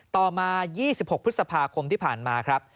ต่อมา๒๖พฤษภาคมที่ผ่านมาครับ